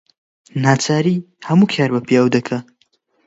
ناچاری هەموو کار بە پیاو دەکا